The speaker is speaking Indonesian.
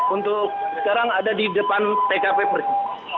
untuk sekarang ada di depan tkp persi